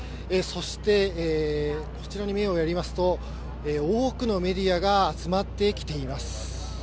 そして、こちらに目をやりますと多くのメディアが集まってきています。